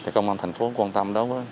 công an thành phố quan tâm đó